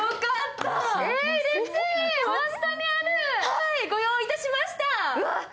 はい、ご用意いたしました。